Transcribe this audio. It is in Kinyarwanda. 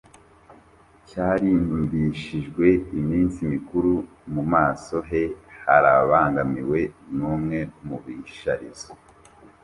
cyarimbishijwe iminsi mikuru: mu maso he harabangamiwe numwe mubisharizo.